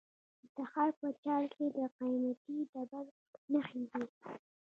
د تخار په چال کې د قیمتي ډبرو نښې دي.